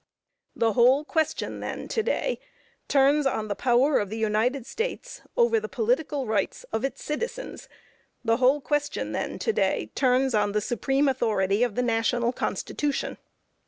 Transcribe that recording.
The whole question, then, to day, turns on the power of the United States over the political rights of citizens the whole question then, to day, turns on the supreme authority of the National Constitution.